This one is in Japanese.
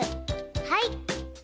はい。